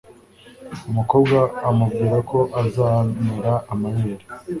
umukobwa umubwira ko azamera amabere